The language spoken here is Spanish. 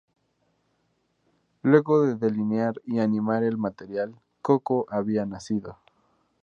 Luego de delinear y animar el material, Koko había nacido.